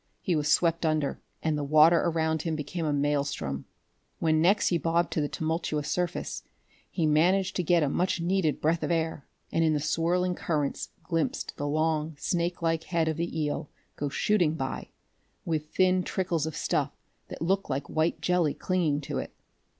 He was swept under, and the water around him became a maelstrom. When next he bobbed to the tumultuous surface, he managed to get a much needed breath of air and in the swirling currents glimpsed the long, snake like head of the eel go shooting by, with thin trickles of stuff that looked like white jelly clinging to it.